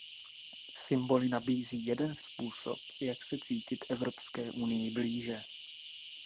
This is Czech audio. Symboly nabízí jeden způsob, jak se cítit Evropské unii blíže.